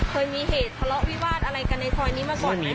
เคยมีเหตุทะเลาะวิวาสอะไรกันในซอยนี้มาก่อนไหม